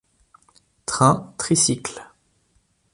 Train tricycle.